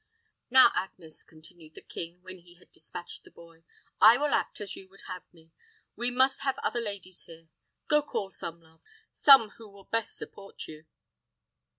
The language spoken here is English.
"Now, Agnes," continued the king, when he had dispatched the boy, "I will act as you would have me. We must have other ladies here. Go call some, love some who will best support you."